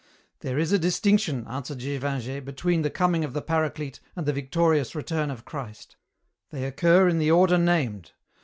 "There is a distinction," answered Gévingey, "between the coming of the Paraclete and the victorious return of Christ. They occur in the order named.